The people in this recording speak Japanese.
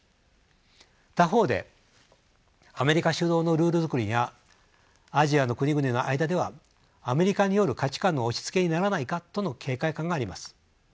他方でアメリカ主導のルールづくりにはアジアの国々の間ではアメリカによる価値観の押しつけにならないかとの警戒感があります。